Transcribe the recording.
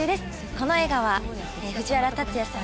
この映画は藤原竜也さん